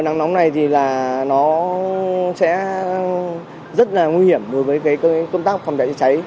nó sẽ rất là nguy hiểm đối với công tác phòng cháy chữa cháy